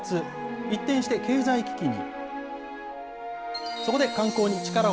一転して経済危機に。